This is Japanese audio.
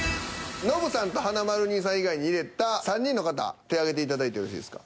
ノブさんと華丸兄さん以外に入れた３人の方手上げていただいてよろしいですか？